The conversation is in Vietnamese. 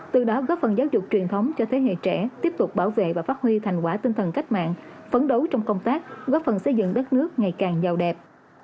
từ đó góp phần giáo dục truyền thống cho thế hệ trẻ tiếp tục bảo vệ và phát huy thành quả tinh thần cách mạng phấn đấu trong công tác góp phần xây dựng đất nước ngày càng giàu đẹp